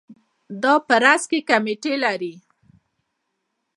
دا په راس کې کمیټې لري.